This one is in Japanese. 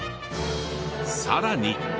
さらに。